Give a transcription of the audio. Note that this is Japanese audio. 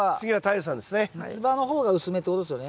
ミツバの方が薄めってことですよね。